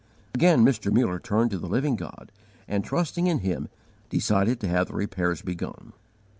Again Mr. Muller turned to the Living God, and, trusting in Him, decided to have the repairs begun.